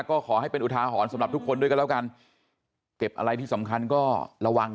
ก็ขอให้เป็นอุทาหรณ์สำหรับทุกคนด้วยกันแล้วกันเก็บอะไรที่สำคัญก็ระวัง